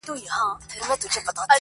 کله یې سینګار ښایسته بللی